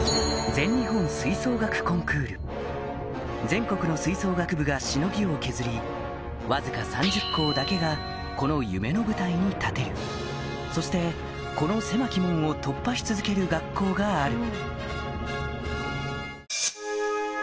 全国の吹奏楽部がしのぎを削りわずか３０校だけがこの夢の舞台に立てるそしてこの狭き門を突破し続ける学校がある